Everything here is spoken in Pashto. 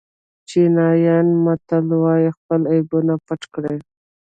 چینایي متل وایي خپل عیبونه پټ کړئ.